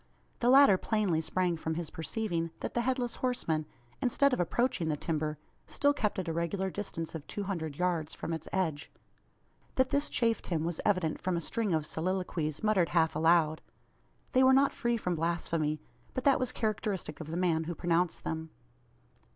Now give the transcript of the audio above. The latter plainly sprang from his perceiving, that the Headless Horseman, instead of approaching the timber, still kept at a regular distance of two hundred yards from its edge. That this chafed him was evident from a string of soliloquies, muttered half aloud. They were not free from blasphemy; but that was characteristic of the man who pronounced them.